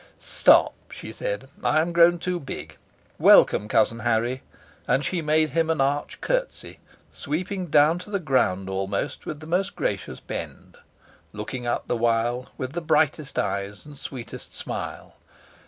"Stop," she said, "I am grown too big! Welcome, cousin Harry," and she made him an arch curtsy, sweeping down to the ground almost, with the most gracious bend, looking up the while with the brightest eyes and sweetest smile.